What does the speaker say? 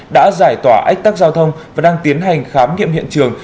đã giải tỏa ách tắc giao thông và đang tiến hành khám nghiệm hiện trường